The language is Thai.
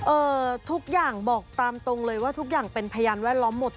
ทุกอย่างบอกตามตรงเลยว่าทุกอย่างเป็นพยานแวดล้อมหมด